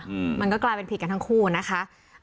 อืมมันก็กลายเป็นผิดกันทั้งคู่อ่ะนะคะ